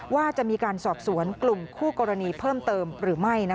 ว่าจะมีการสอบสวนกลุ่มคู่กรณีเพิ่มเติมหรือไม่